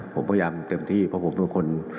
ผมพยายามเต็มที่เพราะผมเป็นคน